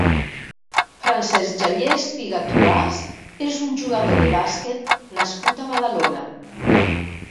Francesc Xavier Espiga Tugas és un jugador de bàsquet nascut a Badalona.